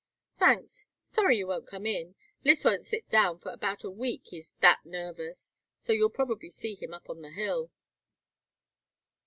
"Thanks. Sorry you won't come in. Lys won't sit down for about a week, he's that nervous, so you'll probably see him up on the Hill."